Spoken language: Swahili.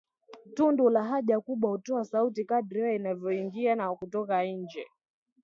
Tundu la haja kubwa hutoa sauti kadiri hewa inavyoingia na kutoka nje